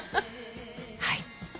「はい」